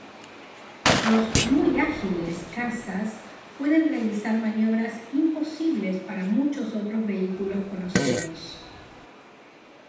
Los muy ágiles cazas pueden realizar maniobras imposibles para muchos otros vehículos conocidos.